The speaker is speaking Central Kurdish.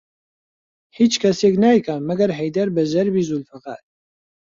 هیچ کەسێک نایکا مەگەر حەیدەر بە زەربی زولفەقار